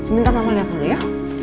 minta tolong lihat dulu ya